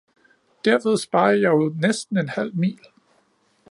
Derved sparer jeg jo næsten en halv mil.